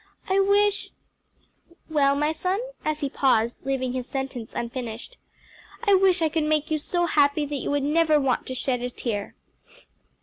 "I wish " "Well, my son?" as he paused, leaving his sentence unfinished. "I wish I could make you so happy that you would never want to shed a tear."